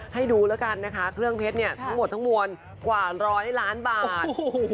ให้ดูแล้วกันนะคะเครื่องเพชรเนี่ยทั้งหมดทั้งมวลกว่าร้อยล้านบาท